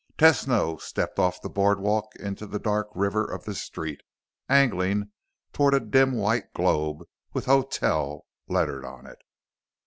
Tesno stepped off the boardwalk into the dark river of the street, angling toward a dim white globe with HOTEL lettered on it.